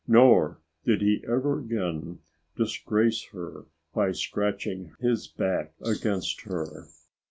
Nor did he ever again disgrace her by scratching his back against her.